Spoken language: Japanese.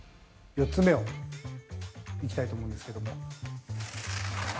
４つ目をいきたいと思うんですけれども。